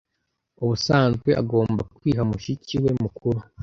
Ubusanzwe agomba kwiha mushiki we mukuru.